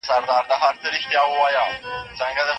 ما د هغې په تندي کې د پښتنې پېغلې حیا ولیده.